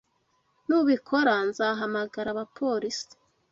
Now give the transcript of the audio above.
Nubikora, nzahamagara abapolisi.